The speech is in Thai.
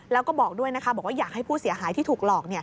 แล้วก็บอกด้วยนะคะบอกว่าอยากให้ผู้เสียหายที่ถูกหลอก